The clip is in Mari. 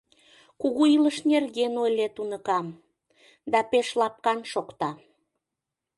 Кугу илыш нерген ойлет, уныкам, да пеш лапкан шокта.